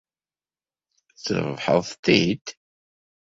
Trebḥed-t-id.